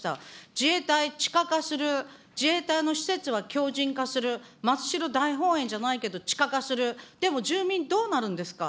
自衛隊地下化する、自衛隊の施設は強じん化する、真っ白大本営じゃないけど、地下化する、でも住民どうなるんですか。